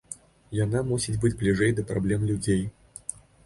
Яна мусіць быць бліжэй да праблем людзей.